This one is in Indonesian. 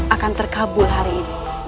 akan terkabul hari ini